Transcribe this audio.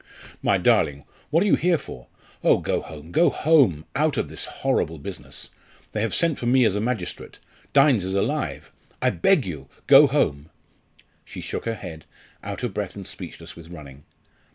"My darling! what are you here for? Oh! go home go home! out of this horrible business. They have sent for me as a magistrate. Dynes is alive I beg you! go home!" She shook her head, out of breath and speechless with running.